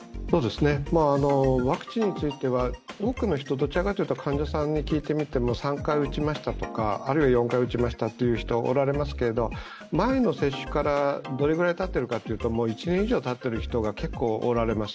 ワクチンについては多くの人、患者さんに聞いてみましても３回打ちましたとか、４回打ちましたという方がおられますけども前の接種からどれぐらいたっているかというともう１年以上たっている方が結構おられます。